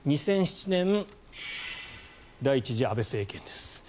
２００７年第１次安倍政権です。